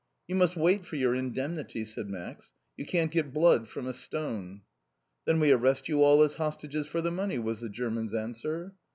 "You must wait for your indemnity," said Max. "You can't get blood from a stone." "Then we arrest you all as hostages for the money," was the German's answer.